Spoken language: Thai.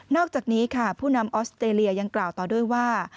อกจากนี้ค่ะผู้นำออสเตรเลียยังกล่าวต่อด้วยว่า